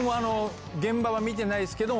現場は見てないっすけど。